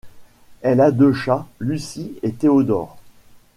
Elle a deux chats, Lucy et Théodore.